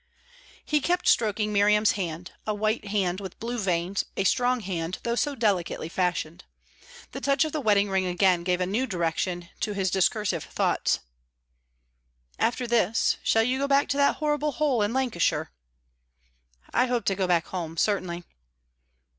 He kept stroking Miriam's hand, a white hand with blue veins a strong hand, though so delicately fashioned. The touch of the wedding ring again gave a new direction to his discursive thoughts. "After this, shall you go back to that horrible hole in Lancashire?" "I hope to go back home, certainly."